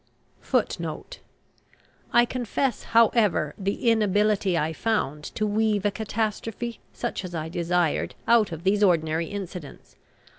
[Footnote A: I confess, however, the inability I found to weave a catastrophe, such as I desired, out of these ordinary incidents.